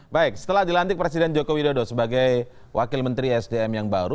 baik setelah dilantik presiden joko widodo sebagai wakil menteri sdm yang baru